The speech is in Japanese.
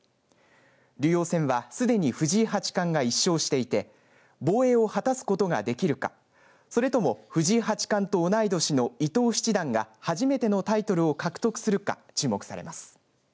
竜王戦はすでに藤井八冠が一勝していて防衛を果たすことができるかそれとも藤井八冠と同い年の伊藤七段が初めてのタイトルを獲得するか注目されます。